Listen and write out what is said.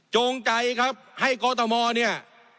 จงใจครับให้กรทมเนี่ย